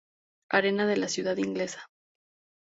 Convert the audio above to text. Arena de la ciudad inglesa.